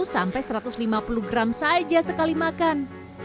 sampai satu ratus lima puluh gram saja sekali makan